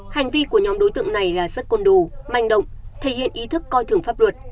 hành vi của nhóm đối tượng này là rất côn đồ manh động thể hiện ý thức coi thường pháp luật